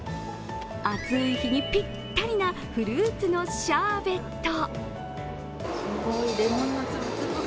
暑い日にピッタリなフルーツのシャーベット。